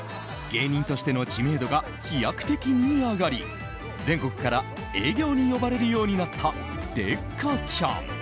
芸人としての知名度が飛躍的に上がり全国から営業に呼ばれるようになったデッカチャン。